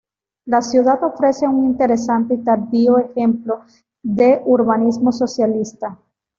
La ciudad ofrece un interesante y tardío ejemplo de urbanismo socialista.